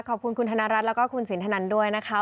ขอบคุณคุณธนรัฐแล้วก็คุณสินทนันด้วยนะคะ